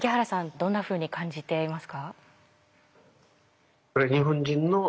どんなふうに感じていますか？